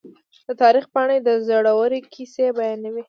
د تاریخ پاڼې د زړورو کیسې بیانوي.